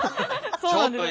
そうなんですよ。